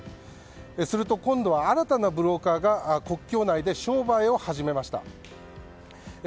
すると今度は新たなブローカーが国境内で商売を始めました。